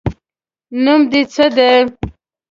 نوم د څه ده